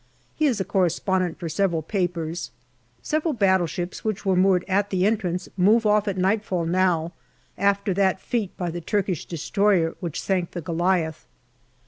He is a correspondent for several papers. Several battleships which were moored at the entrance move off at nightfall now, after that feat by the Turkish destroyer which sank the Goliath.